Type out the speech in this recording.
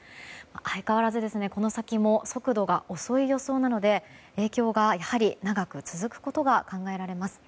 相変わらず、この先も速度が遅い予想なので影響が長く続くことが考えられます。